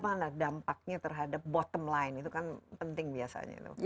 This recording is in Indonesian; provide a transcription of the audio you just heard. sejauh mana dampaknya terhadap bottom line itu kan penting biasanya